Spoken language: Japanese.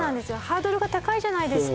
ハードルが高いじゃないですか